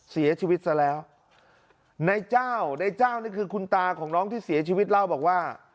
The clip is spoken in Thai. เสียชีวิตซะแล้วในเจ้านายเจ้านี่คือคุณตาของน้องที่เสียชีวิตเล่าบอกว่า